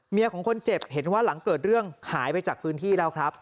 ของคนเจ็บเห็นว่าหลังเกิดเรื่องหายไปจากพื้นที่แล้วครับ